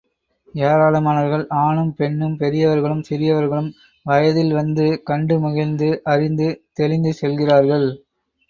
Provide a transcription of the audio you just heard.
ஏராளமானவர்கள், ஆணும் பெண்ணும், பெரியவர்களும் சிறியவர்களும் வயதில் வந்து, கண்டு மகிழ்ந்து, அறிந்து, தெளிந்து செல்கிறார்கள்.